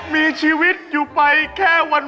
มีชีวิตอยู่ไปแค่วัน